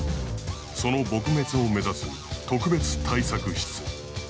その撲滅を目指す特別対策室。